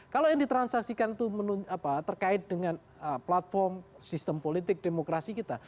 kalau yang ditransaksikan itu terkait dengan platform sistem politik demokrasi kita